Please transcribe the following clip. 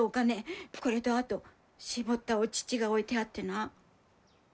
これとあと搾ったお乳が置いてあってな。